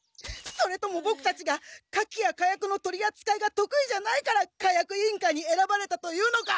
それともボクたちが火器や火薬の取りあつかいがとくいじゃないから火薬委員会にえらばれたというのか！